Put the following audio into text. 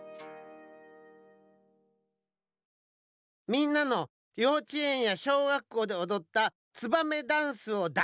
みんなのようちえんやしょうがっこうでおどった「ツバメダンス」をだ